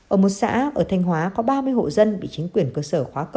ở một xã ở thanh hóa có ba mươi hộ dân bị chính quyền cơ sở khóa cửa